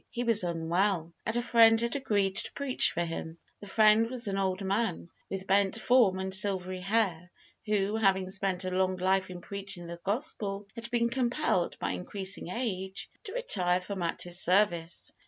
He was unwell, and a friend had agreed to preach for him. The friend was an old man, with bent form and silvery hair, who, having spent a long life in preaching the gospel, had been compelled, by increasing age, to retire from active service.